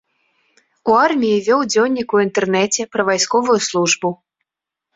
У арміі вёў дзённік у інтэрнеце пра вайсковую службу.